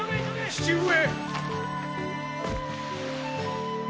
父上！